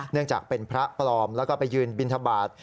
เนื่องจากเป็นพระปลอมแล้วก็ไปยืนบินทบาท